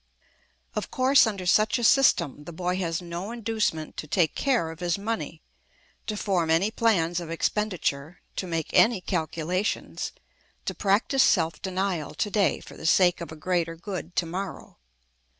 Of course under such a system the boy has no inducement to take care of his money, to form any plans of expenditure, to make any calculations, to practise self denial to day for the sake of a greater good to morrow.